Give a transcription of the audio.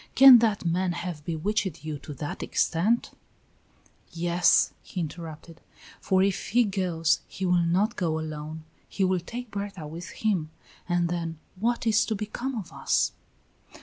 Can that man have bewitched you to the extent " "Yes," he interrupted, "for if he goes he will not go alone; he will take Berta with him, and then what is to become of us?"